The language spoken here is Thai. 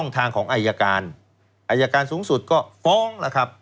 แต่การสูงสุดก็ฟ้อง